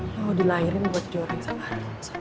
lo dilahirin buat jadi orang yang sabar